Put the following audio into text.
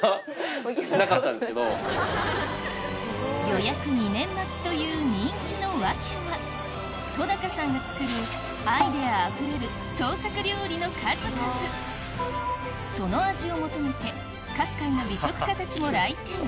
予約２年待ちという人気の訳は戸高さんが作るアイデアあふれる創作料理の数々その味を求めて各界の美食家たちも来店